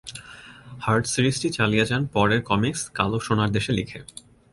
Hertz সিরিজটি চালিয়ে যান পরের কমিকস "কালো সোনার দেশে" লিখে।